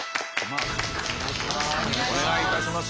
よろしくお願いします。